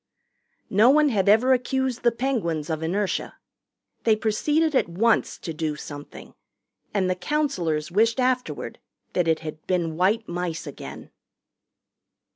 No one had ever accused the Penguins of inertia. They proceeded at once to do something. And the counselors wished afterward that it had been white mice again.